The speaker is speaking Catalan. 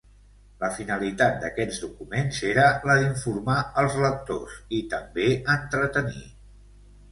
La finalitat d'aquests documents era la d'informar els lectors, i també entretenir.